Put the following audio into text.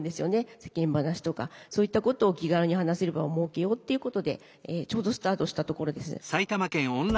世間話とかそういったことを気軽に話せる場を設けようっていうことでちょうどスタートしたところです。